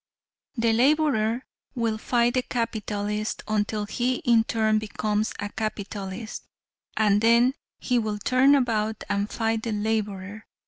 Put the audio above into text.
The laborer will fight the capitalist until he in turn becomes a capitalist, and then he will turn about and fight the laborer.